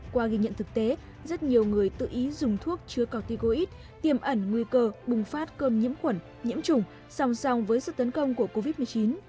qua ghi nhận thực tế rất nhiều người tự ý dùng thuốc chứa corticoid tiêm ẩn nguy cơ bùng phát cơm nhiễm khuẩn nhiễm trùng song song với sự tấn công của covid một mươi chín